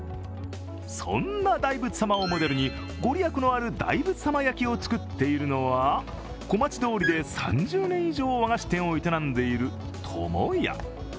そんな大仏様をモデルにご利益のある大仏さま焼きを作っているのは、小町通りで３０年以上、和菓子店を営んでいる、ともや。